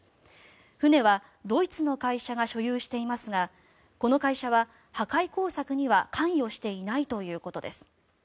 船はドイツの会社が所有していますがこの会社は破壊工作には関与していないということです。